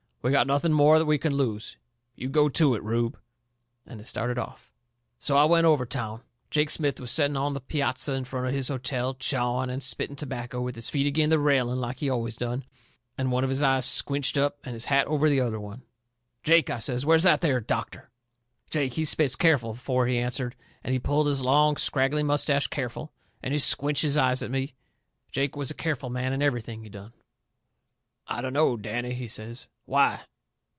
We've got nothing more we can lose. You go to it, Rube." And they started off. So I went over town. Jake Smith was setting on the piazza in front of his hotel, chawing and spitting tobacco, with his feet agin the railing like he always done, and one of his eyes squinched up and his hat over the other one. "Jake," I says, "where's that there doctor?" Jake, he spit careful afore he answered, and he pulled his long, scraggly moustache careful, and he squinched his eyes at me. Jake was a careful man in everything he done. "I dunno, Danny," he says. "Why?"